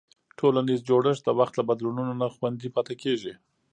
ټولنیز جوړښت د وخت له بدلونونو نه خوندي پاتې کېږي.